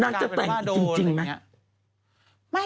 น่าจะแต่จริงมั๊ย